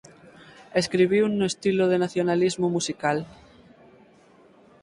Escribiu no estilo de nacionalismo musical.